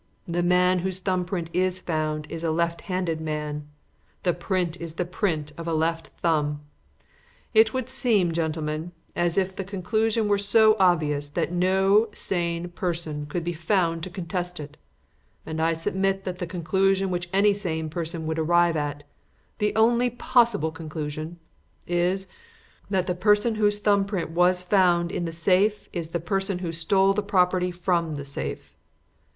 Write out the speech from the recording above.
The man whose thumb print is found is a left handed man; the print is the print of a left thumb. It would seem, gentlemen, as if the conclusion were so obvious that no sane person could be found to contest it; and I submit that the conclusion which any sane person would arrive at the only possible conclusion is, that the person whose thumb print was found in the safe is the person who stole the property from the safe.